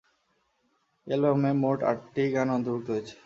এই অ্যালবামে মোট আটটি গান অন্তর্ভুক্ত হয়েছে।